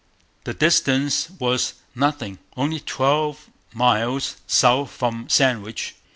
The distance was nothing, only twelve miles south from Sandwich.